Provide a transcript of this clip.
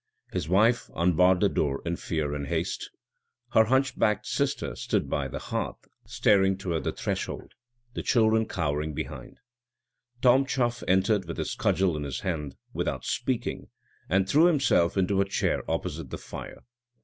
His wife unbarred the door in fear and haste. Her hunchbacked sister stood by the hearth, staring toward the threshold. The children cowered behind. Tom Chuff entered with his cudgel in his hand, without speaking, and threw himself into a chair opposite the fire.